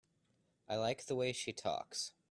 I like the way she talks.